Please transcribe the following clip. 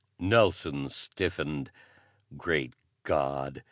Nelson stiffened. "Great God!